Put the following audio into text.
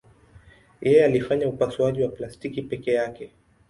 Yeye alifanya upasuaji wa plastiki peke yake.